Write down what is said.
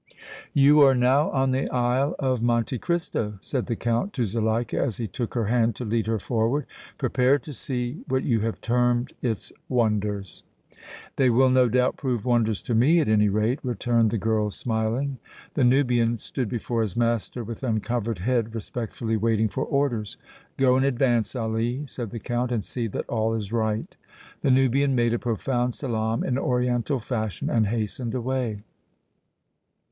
"You are now on the Isle of Monte Cristo," said the Count to Zuleika as he took her hand to lead her forward. "Prepare to see what you have termed its wonders!" "They will, no doubt, prove wonders to me, at any rate," returned the girl, smiling. The Nubian stood before his master with uncovered head, respectfully waiting for orders. "Go in advance, Ali," said the Count, "and see that all is right." The Nubian made a profound salaam in oriental fashion and hastened away.